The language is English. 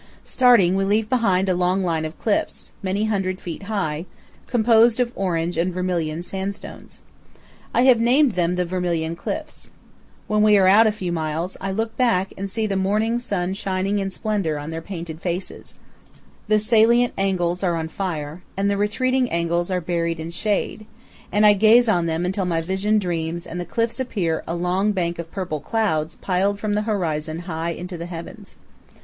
Starting, we leave behind a long line of cliffs, many hundred feet high, composed of orange and vermilion sandstones. I have named them "Vermilion Cliffs." When we are out a few miles, I look back and see the morning sun shining in splendor on their painted faces; the salient angles are on fire, and the retreating angles are buried in shade, and I gaze on them until my vision dreams and the cliffs appear a long bank of purple clouds piled from the horizon high into the heavens.